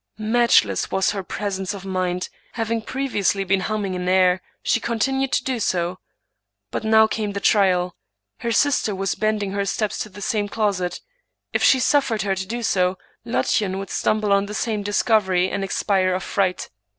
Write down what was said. Matchless was her pres ence of mind ; having previously been humming an air, she continued to do so. But now came the trial ; her sister was bending her steps to the same closet. If she suffered her to do so, Lottchen would stumble on the same discovery, and expire of fright.